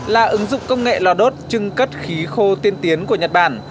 là ứng dụng công nghệ lò đốt trưng cất khí khô tiên tiến của nhật bản